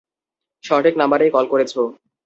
সঠিক নাম্বারেই কল করেছ।